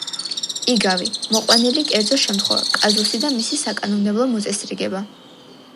იგავი — მოყვანილი კერძო შემთხვევა, კაზუსი და მისი საკანონმდებლო მოწესრიგება